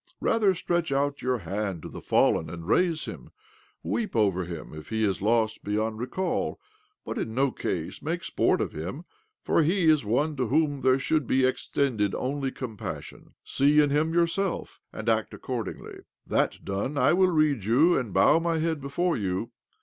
Rather, stretch out your 40 OBLOMOV hand to the fallen and raise him, weep over him if he is lost beyond recall, but in no case make sport of him', for he is one to whom there should be extended only com passion. See in him yourself, and act accordingly. That done, I will read you, and bow my head before you.